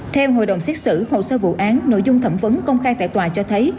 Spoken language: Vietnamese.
theo hội đồng xét xử hồ sơ vụ án nội dung thẩm vấn công khai tại tòa cho thấy